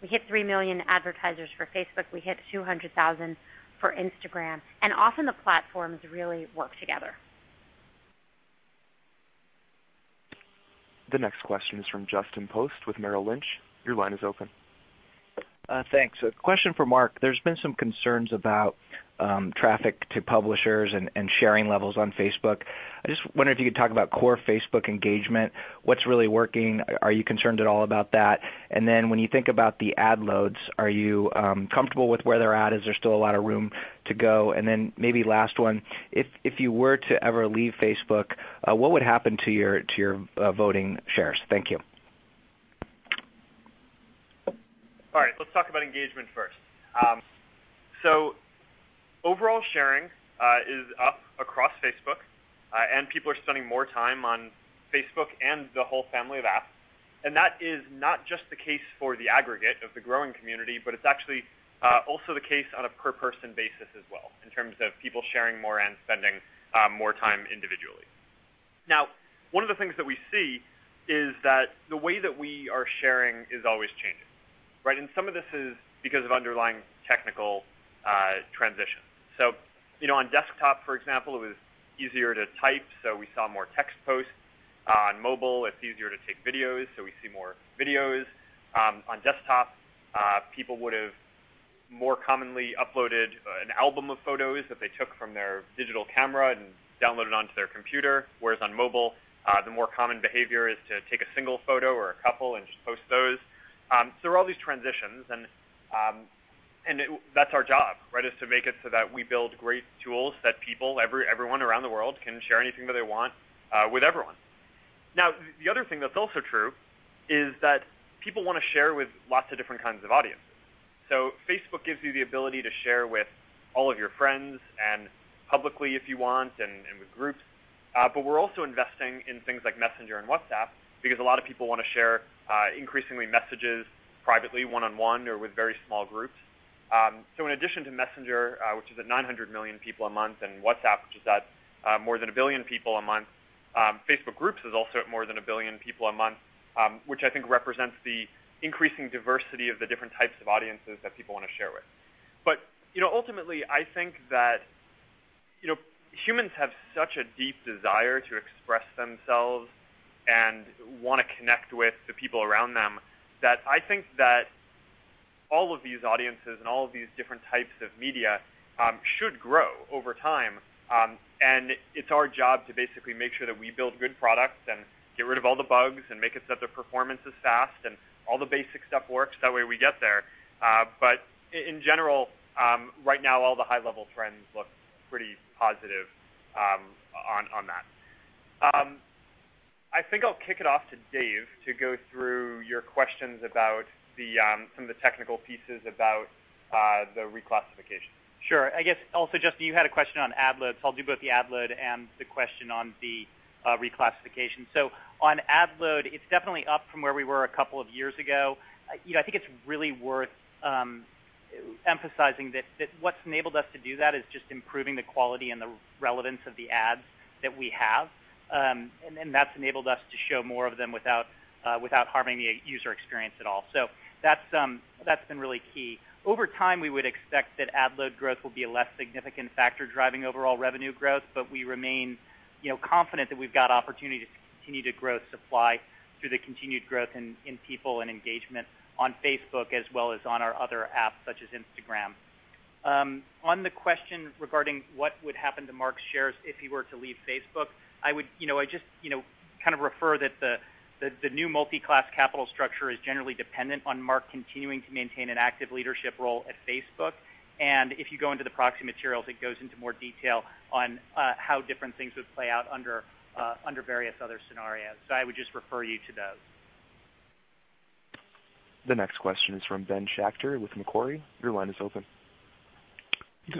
D: We hit 3 million advertisers for Facebook. We hit 200,000 for Instagram. Often the platforms really work together.
A: The next question is from Justin Post with Merrill Lynch. Your line is open.
K: Thanks. A question for Mark. There's been some concerns about traffic to publishers and sharing levels on Facebook. I just wonder if you could talk about core Facebook engagement, what's really working. Are you concerned at all about that? When you think about the ad loads, are you comfortable with where they're at? Is there still a lot of room to go? Maybe last one, if you were to ever leave Facebook, what would happen to your voting shares? Thank you.
C: All right, let's talk about engagement first. Overall sharing is up across Facebook, and people are spending more time on Facebook and the whole family of apps. That is not just the case for the aggregate of the growing community, but it's actually also the case on a per person basis as well, in terms of people sharing more and spending more time individually. One of the things that we see is that the way that we are sharing is always changing, right? Some of this is because of underlying technical transition. You know, on desktop, for example, it was easier to type, so we saw more text posts. On mobile, it's easier to take videos, so we see more videos. On desktop, people would've more commonly uploaded an album of photos that they took from their digital camera and downloaded onto their computer. Whereas on mobile, the more common behavior is to take a single photo or a couple and just post those. There are all these transitions and that's our job, right? Is to make it so that we build great tools that people, everyone around the world can share anything that they want with everyone. The other thing that's also true is that people wanna share with lots of different kinds of audiences. Facebook gives you the ability to share with all of your friends and publicly if you want, and with groups. We're also investing in things like Messenger and WhatsApp because a lot of people wanna share increasingly messages privately, one-on-one or with very small groups. In addition to Messenger, which is at 900 million people a month, and WhatsApp, which is at more than 1 billion people a month, Facebook Groups is also at more than 1 billion people a month, which I think represents the increasing diversity of the different types of audiences that people wanna share with. You know, ultimately, I think that, you know, humans have such a deep desire to express themselves and wanna connect with the people around them, that I think that all of these audiences and all of these different types of media should grow over time. It's our job to basically make sure that we build good products and get rid of all the bugs and make it so that the performance is fast and all the basic stuff works, that way we get there. In general, right now all the high level trends look pretty positive on that. I think I'll kick it off to Dave to go through your questions about the some of the technical pieces about the reclassification.
E: Sure. I guess also, Justin, you had a question on ad loads. I'll do both the ad load and the question on the reclassification. On ad load, it's definitely up from where we were a couple of years ago. You know, I think it's really worth emphasizing that what's enabled us to do that is just improving the quality and the relevance of the ads that we have. And that's enabled us to show more of them without harming the user experience at all. That's been really key. Over time, we would expect that ad load growth will be a less significant factor driving overall revenue growth, but we remain, you know, confident that we've got opportunity to continue to grow supply through the continued growth in people and engagement on Facebook as well as on our other apps such as Instagram. On the question regarding what would happen to Mark's shares if he were to leave Facebook, I would, you know, I'd just, you know, kind of refer that the new multi-class capital structure is generally dependent on Mark continuing to maintain an active leadership role at Facebook. If you go into the proxy materials, it goes into more detail on how different things would play out under various other scenarios. I would just refer you to those.
A: The next question is from Ben Schachter with Macquarie. Your line is open.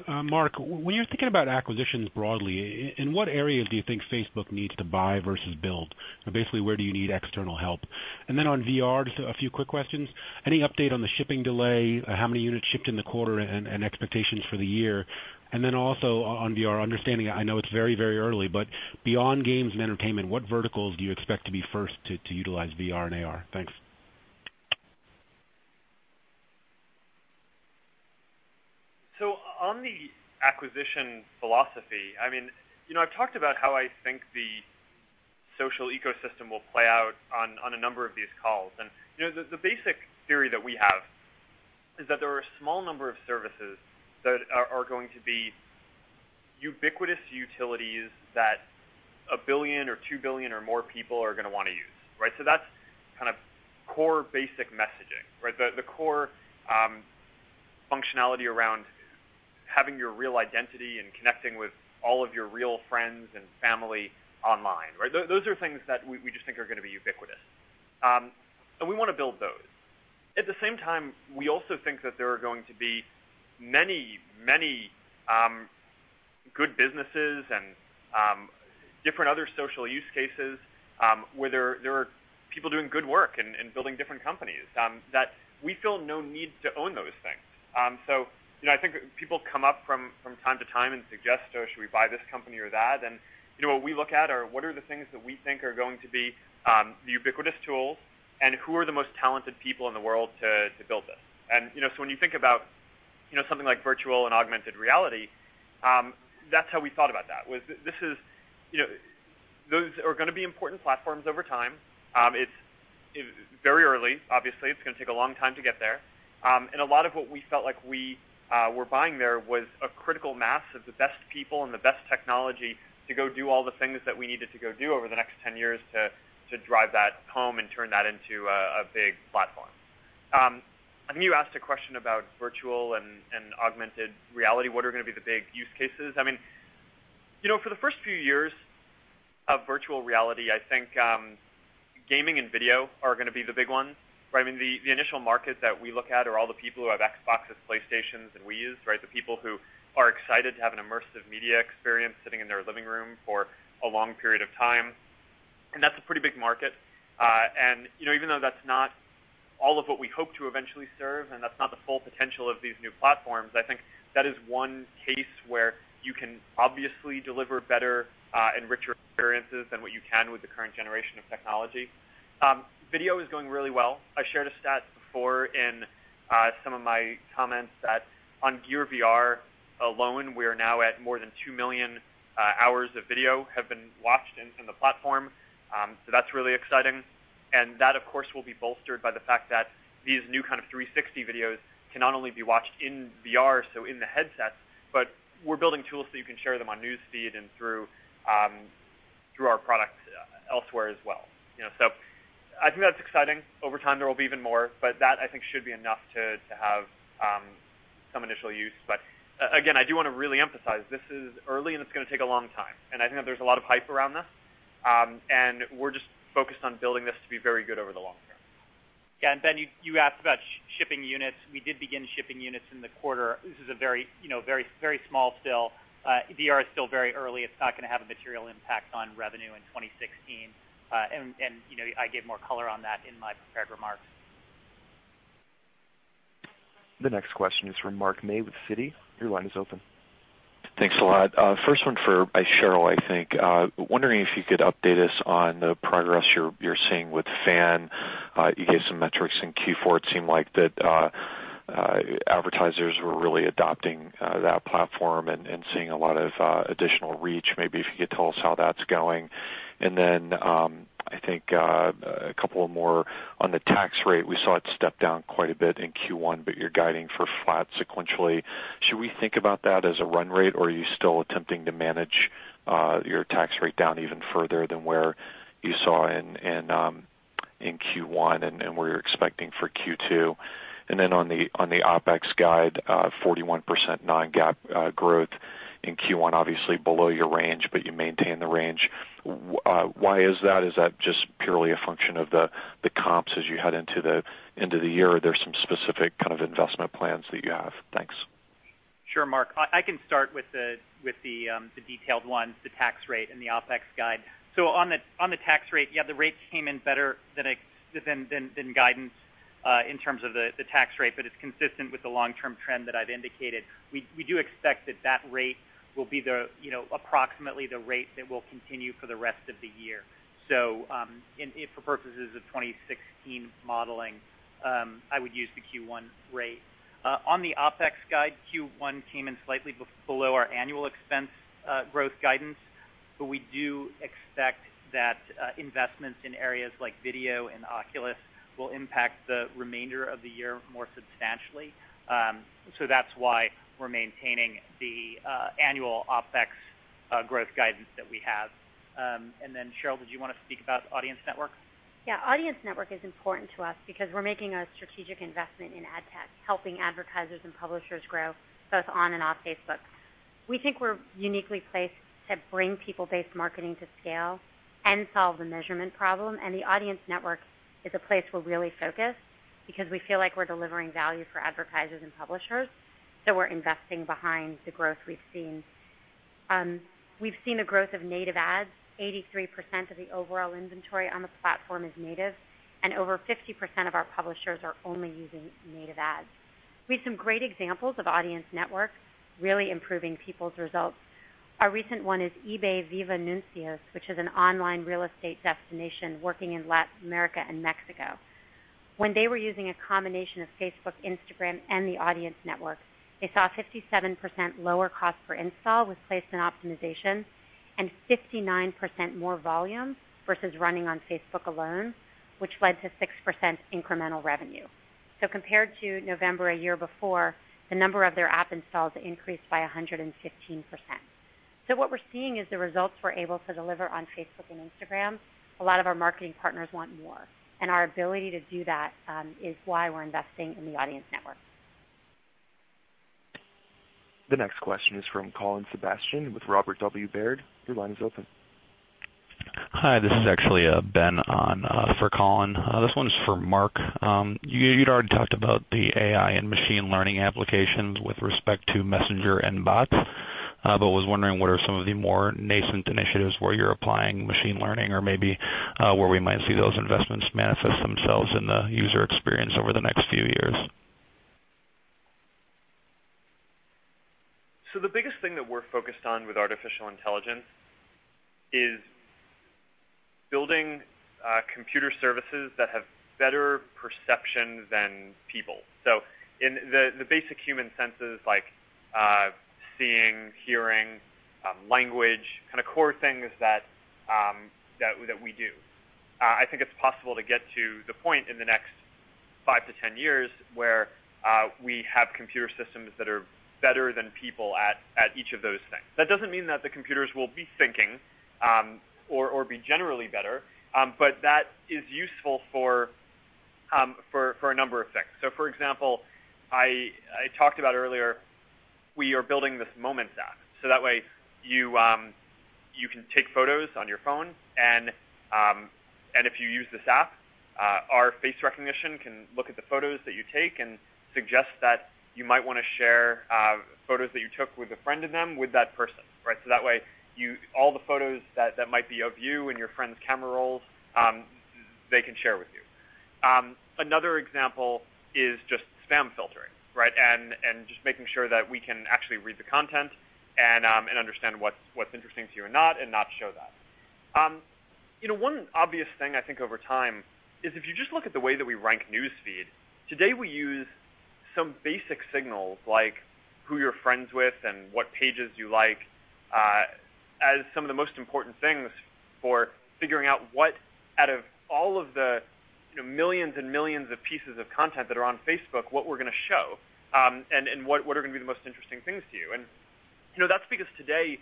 L: Mark, when you're thinking about acquisitions broadly, in what areas do you think Facebook needs to buy versus build? Basically, where do you need external help? On VR, just a few quick questions. Any update on the shipping delay? How many units shipped in the quarter and expectations for the year? Also on VR, understanding I know it's very, very early, but beyond games and entertainment, what verticals do you expect to be first to utilize VR and AR? Thanks.
C: On the acquisition philosophy, I mean, you know, I've talked about how I think the social ecosystem will play out on a number of these calls. You know, the basic theory that we have is that there are a small number of services that are going to be ubiquitous utilities that 1 billion or 2 billion or more people are gonna wanna use, right? That's kind of core basic messaging, right? The core functionality around having your real identity and connecting with all of your real friends and family online, right? Those are things that we just think are gonna be ubiquitous. We wanna build those. At the same time, we also think that there are going to be many, many good businesses and different other social use cases where there are people doing good work and building different companies that we feel no need to own those things. So, you know, I think people come up from time to time and suggest, oh, should we buy this company or that? You know, what we look at are what are the things that we think are going to be the ubiquitous tools, and who are the most talented people in the world to build this? You know, so when you think about, you know, something like virtual and augmented reality, that's how we thought about that, was this is, you know, those are gonna be important platforms over time. It's very early, obviously. It's gonna take a long time to get there. And a lot of what we felt like we were buying there was a critical mass of the best people and the best technology to go do all the things that we needed to go do over the next 10 years to drive that home and turn that into a big platform. I think you asked a question about virtual and augmented reality. What are gonna be the big use cases? I mean, you know, for the first few years of virtual reality, I think gaming and video are gonna be the big ones, right? I mean, the initial markets that we look at are all the people who have Xboxes, PlayStations, and Wiis, right? The people who are excited to have an immersive media experience sitting in their living room for a long period of time, and that's a pretty big market. You know, even though that's not all of what we hope to eventually serve, and that's not the full potential of these new platforms, I think that is one case where you can obviously deliver better, and richer experiences than what you can with the current generation of technology. Video is going really well. I shared a stat before in, some of my comments that on Gear VR alone, we are now at more than 2 million hours of video have been watched in the platform. That's really exciting. That, of course, will be bolstered by the fact that these new kind of 360 videos can not only be watched in VR, so in the headsets, but we're building tools so you can share them on News Feed and through our products elsewhere as well. You know, I think that's exciting. Over time, there will be even more, but that, I think, should be enough to have some initial use. Again, I do want to really emphasize this is early, and it's going to take a long time. I think that there's a lot of hype around this, and we're just focused on building this to be very good over the long term.
E: Yeah. Ben, you asked about shipping units. We did begin shipping units in the quarter. This is a very, you know, very small still. VR is still very early. It's not gonna have a material impact on revenue in 2016. You know, I gave more color on that in my prepared remarks.
A: The next question is from Mark May with Citi. Your line is open.
M: Thanks a lot. First one for Sheryl, I think. Wondering if you could update us on the progress you're seeing with FAN. You gave some metrics in Q4. It seemed like that advertisers were really adopting that platform and seeing a lot of additional reach. Maybe if you could tell us how that's going. I think a couple of more on the tax rate. We saw it step down quite a bit in Q1, but you're guiding for flat sequentially. Should we think about that as a run rate, or are you still attempting to manage your tax rate down even further than where you saw in in Q1 and where you're expecting for Q2? On the OpEx guide, 41% non-GAAP growth in Q1, obviously below your range, but you maintain the range. Why is that? Is that just purely a function of the comps as you head into the end of the year? Are there some specific kind of investment plans that you have? Thanks.
E: Sure, Mark. I can start with the detailed ones, the tax rate and the OpEx guide. On the tax rate, the rate came in better than guidance in terms of the tax rate, but it's consistent with the long-term trend that I've indicated. We do expect that rate will be approximately the rate that will continue for the rest of the year. For purposes of 2016 modeling, I would use the Q1 rate. On the OpEx guide, Q1 came in slightly below our annual expense growth guidance, but we do expect that investments in areas like video and Oculus will impact the remainder of the year more substantially. That's why we're maintaining the annual OpEx growth guidance that we have. Sheryl, did you wanna speak about Audience Network?
D: Yeah. Audience Network is important to us because we're making a strategic investment in ad tech, helping advertisers and publishers grow both on and off Facebook. We think we're uniquely placed to bring people-based marketing to scale and solve the measurement problem. The Audience Network is a place we're really focused because we feel like we're delivering value for advertisers and publishers. We're investing behind the growth we've seen. We've seen the growth of native ads. 83% of the overall inventory on the platform is native. Over 50% of our publishers are only using native ads. We have some great examples of Audience Network really improving people's results. A recent one is eBay Vivanuncios, which is an online real estate destination working in Latin America and Mexico. When they were using a combination of Facebook, Instagram, and the Audience Network, they saw a 57% lower cost per install with placement optimization and 59% more volume versus running on Facebook alone, which led to 6% incremental revenue. Compared to November a year before, the number of their app installs increased by 115%. What we're seeing is the results we're able to deliver on Facebook and Instagram, a lot of our marketing partners want more, and our ability to do that is why we're investing in the Audience Network.
A: The next question is from Colin Sebastian with Robert W. Baird. Your line is open.
N: Hi, this is actually Ben on for Colin. This one is for Mark. You'd already talked about the AI and machine learning applications with respect to Messenger and bots. Was wondering what are some of the more nascent initiatives where you're applying machine learning or maybe where we might see those investments manifest themselves in the user experience over the next few years.
C: The biggest thing that we're focused on with artificial intelligence is building computer services that have better perception than people. In the basic human senses like seeing, hearing, language, kinda core things that we do. I think it's possible to get to the point in the next 5 years-10 years where we have computer systems that are better than people at each of those things. That doesn't mean that the computers will be thinking, or be generally better, but that is useful for a number of things. For example, I talked about earlier, we are building this Moments app, that way you can take photos on your phone and if you use this app, our face recognition can look at the photos that you take and suggest that you might wanna share photos that you took with a friend in them with that person, right? That way, all the photos that might be of you in your friend's camera rolls, they can share with you. Another example is just spam filtering, right? Just making sure that we can actually read the content and understand what's interesting to you or not, and not show that. You know, one obvious thing I think over time is if you just look at the way that we rank News Feed, today we use some basic signals like who you're friends with and what Pages you like, as some of the most important things for figuring out what out of all of the, you know, millions and millions of pieces of content that are on Facebook, what we're gonna show, and what are gonna be the most interesting things to you. You know, that's because today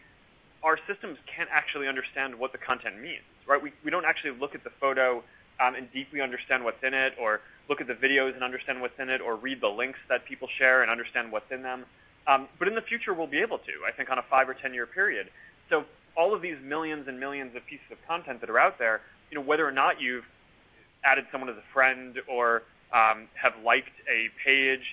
C: our systems can't actually understand what the content means, right? We don't actually look at the photo, and deeply understand what's in it, or look at the videos and understand what's in it, or read the links that people share and understand what's in them. In the future we'll be able to, I think, on a five or 10-year period. All of these millions and millions of pieces of content that are out there, you know, whether or not you've added someone as a friend or have liked a page,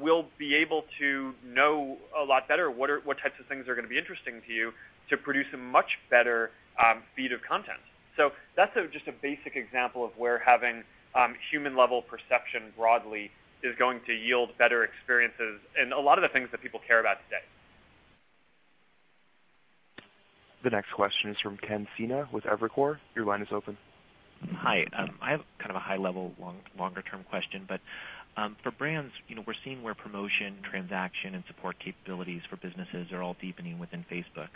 C: we'll be able to know a lot better what types of things are gonna be interesting to you to produce a much better feed of content. That's a, just a basic example of where having human-level perception broadly is going to yield better experiences in a lot of the things that people care about today.
A: The next question is from Ken Sena with Evercore. Your line is open.
O: Hi. I have kind of a high-level long-term question, but, for brands, you know, we're seeing where promotion, transaction, and support capabilities for businesses are all deepening within Facebook.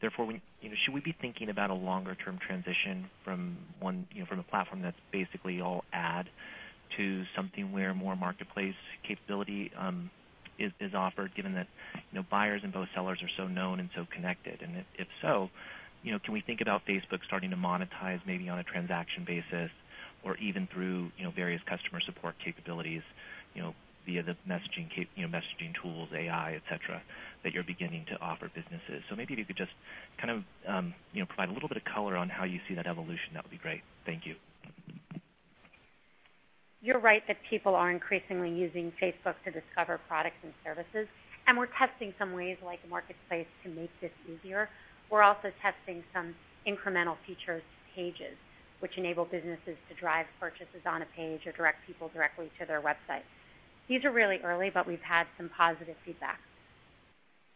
O: Therefore, we, you know, should we be thinking about a longer-term transition from one, you know, from a platform that's basically all ad to something where more marketplace capability, is offered given that, you know, buyers and both sellers are so known and so connected? If so, you know, can we think about Facebook starting to monetize maybe on a transaction basis or even through, you know, various customer support capabilities, you know, via the messaging tools, AI, et cetera, that you're beginning to offer businesses? maybe if you could just kind of, you know, provide a little bit of color on how you see that evolution, that would be great. Thank you.
D: You're right that people are increasingly using Facebook to discover products and services, and we're testing some ways like Marketplace to make this easier. We're also testing some incremental features to Pages which enable businesses to drive purchases on a page or direct people directly to their website. These are really early, but we've had some positive feedback.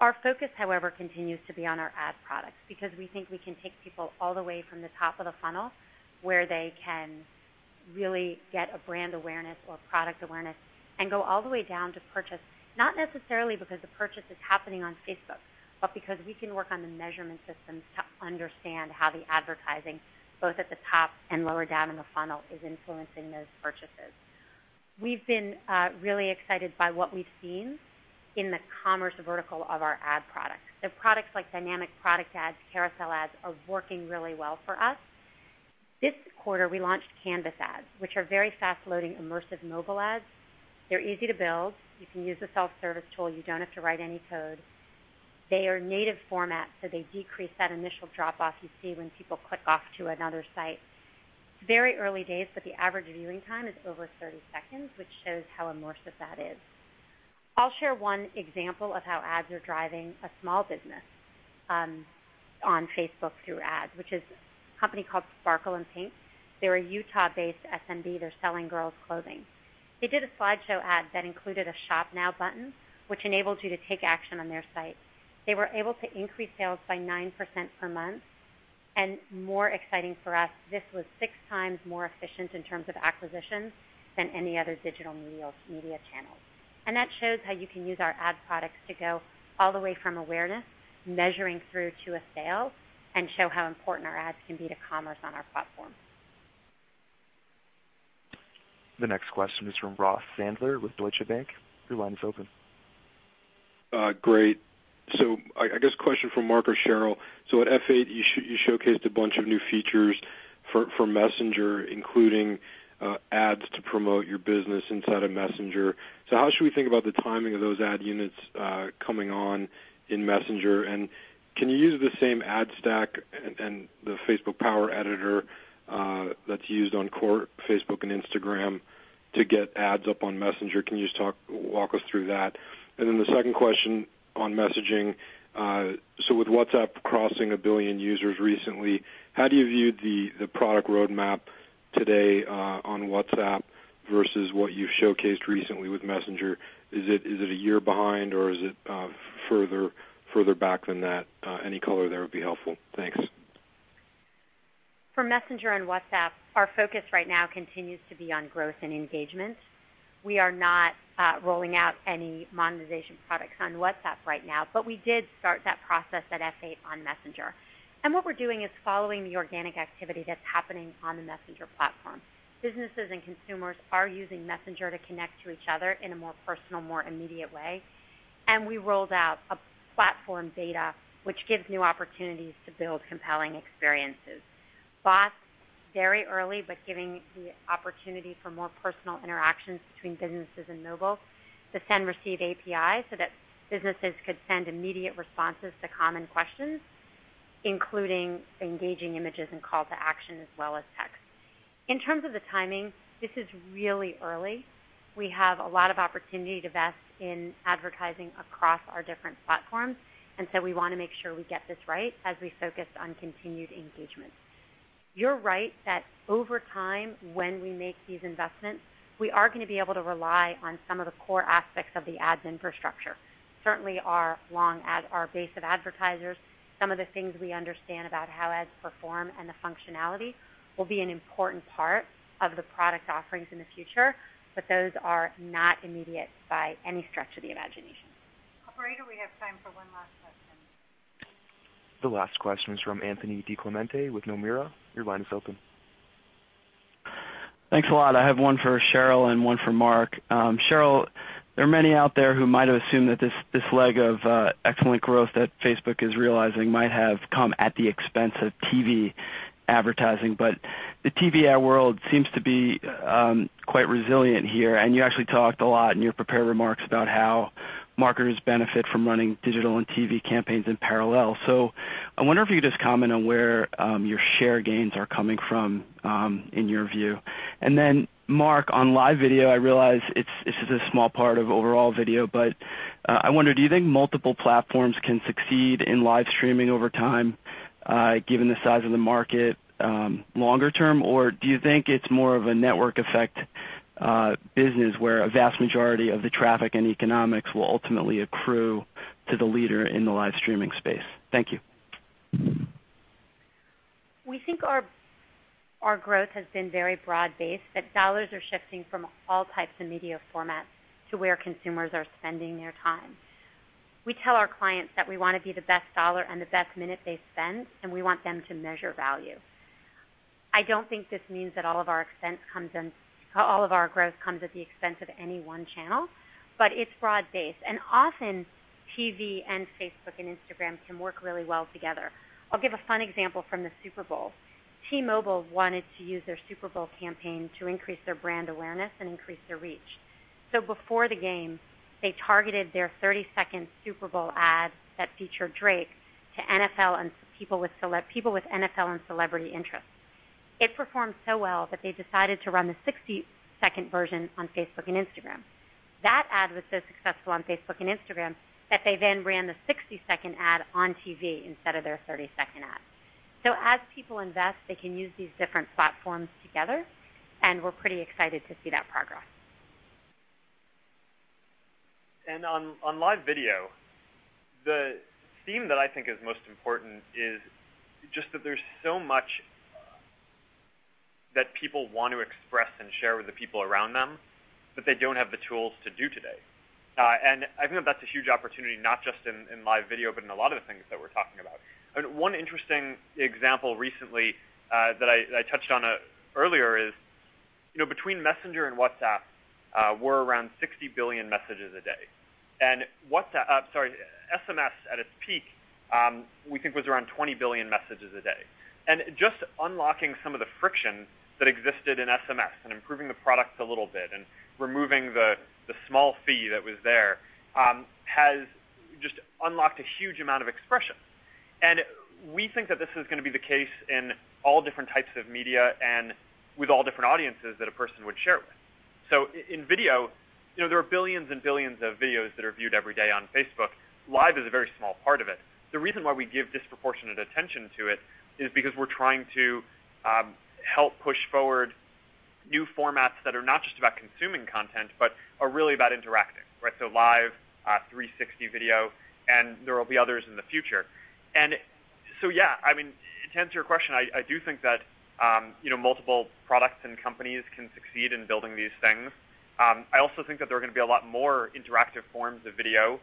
D: Our focus, however, continues to be on our ad products because we think we can take people all the way from the top of the funnel, where they can really get a brand awareness or product awareness, and go all the way down to purchase, not necessarily because the purchase is happening on Facebook, but because we can work on the measurement systems to understand how the advertising, both at the top and lower down in the funnel, is influencing those purchases. We've been really excited by what we've seen in the commerce vertical of our ad products. The products like dynamic product ads, carousel ads are working really well for us. This quarter we launched Canvas ads, which are very fast-loading, immersive mobile ads. They're easy to build. You can use the self-service tool. You don't have to write any code. They are native format, so they decrease that initial drop-off you see when people click off to another site. Very early days, but the average viewing time is over 30 seconds, which shows how immersive that is. I'll share one example of how ads are driving a small business on Facebook through ads, which is a company called Sparkle In Pink. They're a Utah-based SMB. They're selling girls' clothing. They did a slideshow ad that included a Shop Now button, which enables you to take action on their site. They were able to increase sales by 9% per month. More exciting for us, this was 6x more efficient in terms of acquisitions than any other digital media channels. That shows how you can use our ad products to go all the way from awareness, measuring through to a sale, and show how important our ads can be to commerce on our platform.
A: The next question is from Ross Sandler with Deutsche Bank. Your line is open.
P: Great. I guess question for Mark or Sheryl. At F8, you showcased a bunch of new features for Messenger, including ads to promote your business inside of Messenger. How should we think about the timing of those ad units coming on in Messenger? Can you use the same ad stack and the Facebook Power Editor that's used on core Facebook and Instagram to get ads up on Messenger? Can you just walk us through that? The second question on messaging. With WhatsApp crossing 1 billion users recently, how do you view the product roadmap today on WhatsApp versus what you've showcased recently with Messenger? Is it a year behind or is it further back than that? Any color there would be helpful. Thanks.
D: For Messenger and WhatsApp, our focus right now continues to be on growth and engagement. We are not rolling out any monetization products on WhatsApp right now, but we did start that process at F8 on Messenger. What we're doing is following the organic activity that's happening on the Messenger platform. Businesses and consumers are using Messenger to connect to each other in a more personal, more immediate way. We rolled out a platform beta, which gives new opportunities to build compelling experiences. Bots, very early, but giving the opportunity for more personal interactions between businesses and mobile. The Send API, so that businesses could send immediate responses to common questions, including engaging images and call to action as well as text. In terms of the timing, this is really early. We have a lot of opportunity to invest in advertising across our different platforms, we wanna make sure we get this right as we focus on continued engagement. You're right that over time, when we make these investments, we are gonna be able to rely on some of the core aspects of the ads infrastructure. Certainly our long ad, our base of advertisers, some of the things we understand about how ads perform and the functionality will be an important part of the product offerings in the future, those are not immediate by any stretch of the imagination.
B: Operator, we have time for one last question.
A: The last question is from Anthony DiClemente with Nomura. Your line is open.
Q: Thanks a lot. I have one for Sheryl and one for Mark. Sheryl, there are many out there who might have assumed that this leg of excellent growth that Facebook is realizing might have come at the expense of TV advertising. The TV ad world seems to be quite resilient here, and you actually talked a lot in your prepared remarks about how marketers benefit from running digital and TV campaigns in parallel. I wonder if you could just comment on where your share gains are coming from in your view. Mark, on Live video, I realize it's, this is a small part of overall video, but I wonder, do you think multiple platforms can succeed in live streaming over time given the size of the market longer term? Do you think it's more of a network effect business where a vast majority of the traffic and economics will ultimately accrue to the leader in the live streaming space? Thank you.
D: We think our growth has been very broad-based, that dollars are shifting from all types of media formats to where consumers are spending their time. We tell our clients that we wanna be the best dollar and the best minute they spend, and we want them to measure value. I don't think this means that all of our growth comes at the expense of any one channel, but it's broad-based. Often, TV and Facebook and Instagram can work really well together. I'll give a fun example from the Super Bowl. T-Mobile wanted to use their Super Bowl campaign to increase their brand awareness and increase their reach. Before the game, they targeted their 30-second Super Bowl ad that featured Drake to NFL and people with NFL and celebrity interests. It performed so well that they decided to run the 60-second version on Facebook and Instagram. That ad was so successful on Facebook and Instagram that they then ran the 60-second ad on TV instead of their 30-second ad. As people invest, they can use these different platforms together, and we're pretty excited to see that progress.
C: On live video, the theme that I think is most important is just that there's so much that people want to express and share with the people around them that they don't have the tools to do today. I think that's a huge opportunity, not just in live video, but in a lot of the things that we're talking about. One interesting example recently that I touched on earlier is, you know, between Messenger and WhatsApp, we're around 60 billion messages a day. WhatsApp, sorry, SMS at its peak, we think was around 20 billion messages a day. Just unlocking some of the friction that existed in SMS and improving the product a little bit and removing the small fee that was there has just unlocked a huge amount of expression. We think that this is going to be the case in all different types of media and with all different audiences that a person would share it with. In video, you know, there are billions and billions of videos that are viewed every day on Facebook. Live is a very small part of it. The reason why we give disproportionate attention to it is because we're trying to help push forward new formats that are not just about consuming content, but are really about interacting, right? Live, 360 video, and there will be others in the future. Yeah, I mean, to answer your question, I do think that, you know, multiple products and companies can succeed in building these things. I also think that there are gonna be a lot more interactive forms of video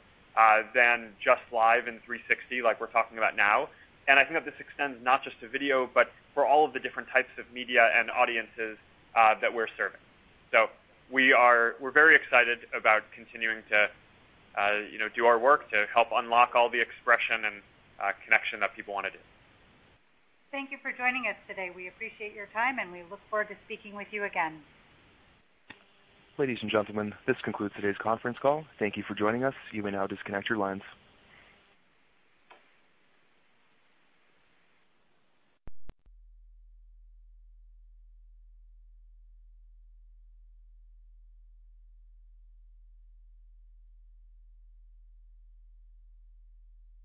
C: than just Live and 360 like we're talking about now. I think that this extends not just to video, but for all of the different types of media and audiences that we're serving. We're very excited about continuing to do our work to help unlock all the expression and connection that people want to do.
B: Thank you for joining us today. We appreciate your time. We look forward to speaking with you again.
A: Ladies and gentlemen, this concludes today's conference call. Thank you for joining us. You may now disconnect your lines.